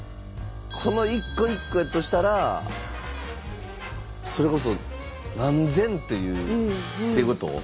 この一個一個やとしたらそれこそ何千っていうっていうこと？